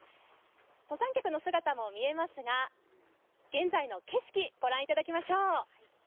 登山客の姿も見えますが、現在の景色をご覧いただきましょう。